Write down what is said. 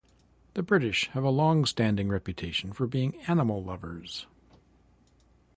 The British have a long-standing reputation for being animal lovers.